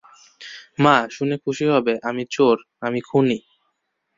মা, শুনে খুশি হবে, আমি চোর, আমি খুনি।